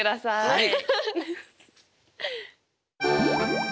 はい。